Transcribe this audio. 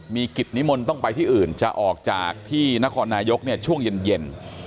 มีกิจนิมนต์ต้องไปที่อื่นจะออกจากที่นครนายกช่วงเย็น